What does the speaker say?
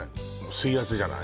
水圧じゃない？